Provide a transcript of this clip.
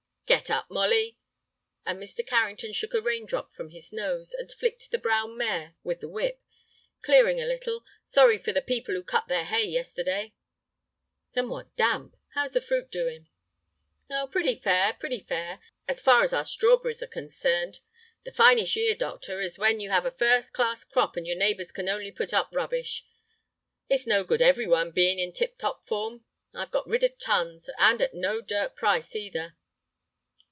"Get up, Molly," and Mr. Carrington shook a raindrop from his nose, and flicked the brown mare with the whip. "Clearing a little. Sorry for the people who cut their hay yesterday." "Somewhat damp. How is the fruit doing?" "Oh, pretty fair, pretty fair, as far as our strawberries are concerned. The finest year, doctor, is when you have a first class crop and your neighbors can only put up rubbish. It's no good every one being in tip top form. I've got rid of tons, and at no dirt price, either."